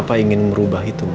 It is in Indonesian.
papa ingin merubah itu ma